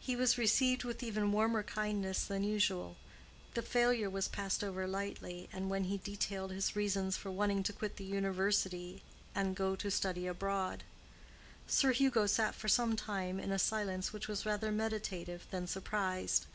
He was received with even warmer kindness than usual, the failure was passed over lightly, and when he detailed his reasons for wishing to quit the university and go to study abroad, Sir Hugo sat for some time in a silence which was rather meditative than surprised.